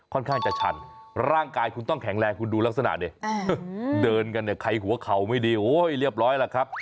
ค่อนข้างจะชันร่างกายคุณต้องแข็งแรงคุณดูลักษณะดิเดินกันเนี่ยใครหัวเข่าไม่ดีโอ้ยเรียบร้อยล่ะครับ